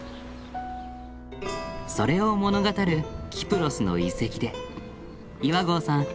それを物語るキプロスの遺跡で岩合さん